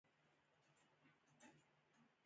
چوغکه د بوس خونې د دېوال په سوري کې کېناستله.